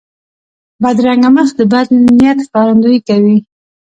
بدرنګه مخ د بد نیت ښکارندویي کوي